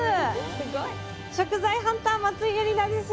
食材ハンター松井絵里奈です。